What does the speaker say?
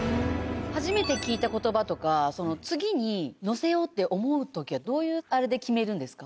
初めて聞いた言葉とか次に載せようって思う時はどういうあれで決めるんですか？